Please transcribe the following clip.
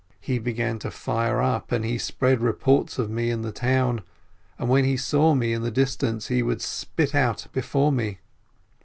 He began to fire up, and he spread reports of me in the town, and when he saw me in the distance, he would spit out before me.